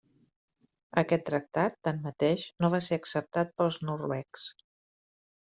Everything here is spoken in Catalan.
Aquest tractat, tanmateix, no va ser acceptat pels noruecs.